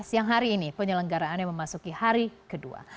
siang hari ini penyelenggaraannya memasuki hari kedua